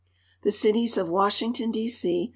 The cities of Washington, D. C.